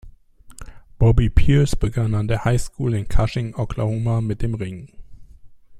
Bobby Pearce begann an der High School in Cushing, Oklahoma, mit dem Ringen.